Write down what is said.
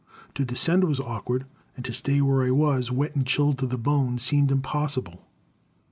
To descend was awkward, and to stay where I was, wet and chilled to the bone, seemed impossible.